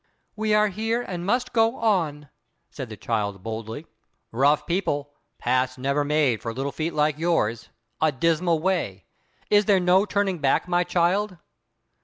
"We are here, and must go on," said the child boldly. "Rough people—paths never made for little feet like yours—a dismal way—is there no turning back, my child?"